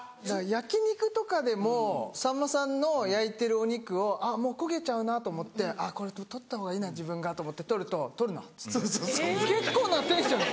焼き肉とかでもさんまさんの焼いてるお肉をもう焦げちゃうなと思ってこれ取ったほうがいいな自分がと思って取ると「取るな」っつって結構なテンション。